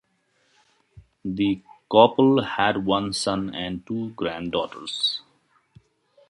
The couple had one son and two granddaughters.